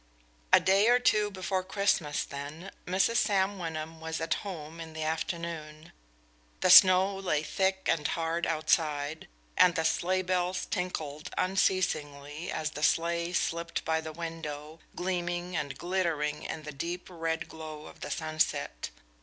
A day or two before Christmas, then, Mrs. Sam Wyndham was at home in the afternoon. The snow lay thick and hard outside, and the sleigh bells tinkled unceasingly as the sleighs slipped by the window, gleaming and glittering in the deep red glow of the sunset.